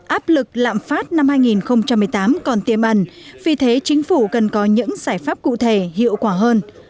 áp lực lạm phát năm hai nghìn một mươi tám còn tiêm ẩn vì thế chính phủ cần có những giải pháp cụ thể hiệu quả hơn